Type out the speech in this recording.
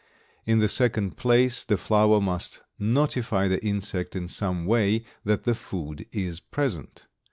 In the second place, the flower must notify the insect in some way that the food is present.